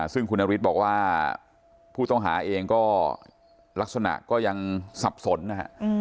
ซึ่งคุณนฤทธิ์บอกว่าผู้ต้องหาเองก็ลักษณะก็ยังสับสนนะฮะ